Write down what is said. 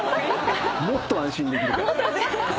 もっと安心できるから。